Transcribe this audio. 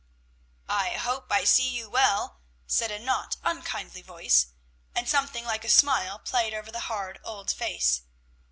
"I hope I see you well," said a not unkindly voice, and something like a smile played over the hard old face.